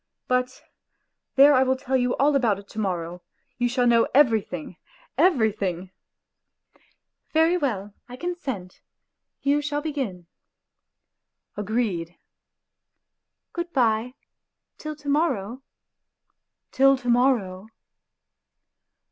... But there I will tell you all about it to morrow, you shall know everything, everything. ..."" Very well, I consent ; you shall begin ..."" Agreed." " Good bye till to morrow !"" Till to morrow